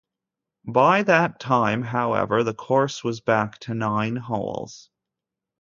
By that time, however, the course was back to nine holes.